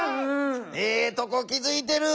ええとこ気づいてる。